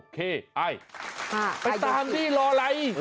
ไปตามสิรออะไร